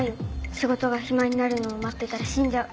仕事が暇になるのを待ってたら死んじゃう。